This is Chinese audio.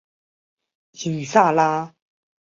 伊桑拉。